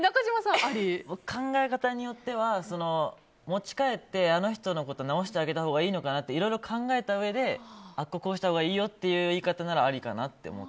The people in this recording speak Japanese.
考え方によっては持ち帰ってあの人のこと直してあげたほうがいいのかなといろいろ考えたうえでここ、こうしたほうがいいよっていう言い方ならありじゃないかな。